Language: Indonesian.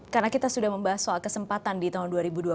karena kita sudah membahas soal kesempatan di tahun dua ribu dua puluh empat